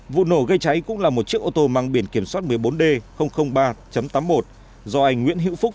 vụ nổ gây cháy cũng là một chiếc ô tô mang biển kiểm soát một mươi bốn d ba tám mươi một do anh nguyễn hữu phúc